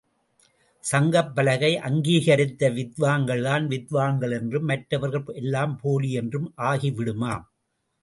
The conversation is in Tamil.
சங்கப் பலகை அங்கீகரித்த வித்வான்கள்தான் வித்வான்கள் என்றும் மற்றவர்கள் எல்லாம் போலி என்றும் ஆகிவிடுமாம்.